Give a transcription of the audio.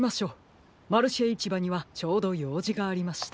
マルシェいちばにはちょうどようじがありました。